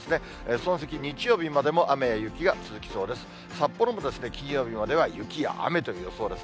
その先、日曜日までも雨や雪が続きそうです。